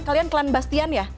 kalian klan bastian ya